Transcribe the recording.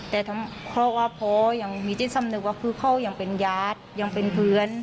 แต่ทำเขาว่าพ่อยังมีจินสำนุกว่าเขายังเป็นยาทยังเป็นเพื่อน